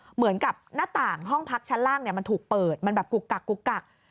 เหมือนกับหน้าต่างห้องพักชั้นล่างมันถูกเปิดมันแบบกุกกักกุกกัก